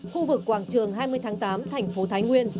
khu vực quảng trường hai mươi tháng tám thành phố thái nguyên